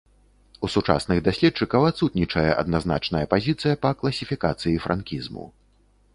У сучасных даследчыкаў адсутнічае адназначная пазіцыя па класіфікацыі франкізму.